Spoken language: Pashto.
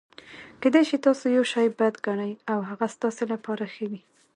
کېدای سي تاسي یوشي بد ګڼى او هغه ستاسي له پاره ښه يي.